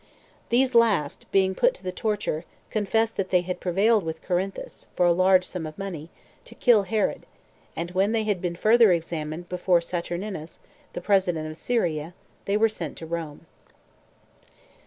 These last, being put to the torture, confessed that they had prevailed with Corinthus, for a large sum of money, to kill Herod; and when they had been further examined before Saturninus, the president of Syria, they were sent to Rome.